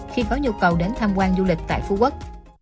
khi có nhu cầu đến tham quan du lịch tại phú quốc